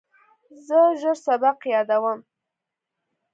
زه ژر سبق یادوم.